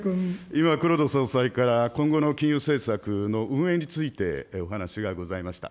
今、黒田総裁から今後の金融政策の運営についてお話がございました。